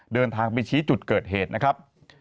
เดินทางไปชี้จุดเกิดเหตุนะครับ